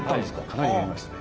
かなり減りましたね。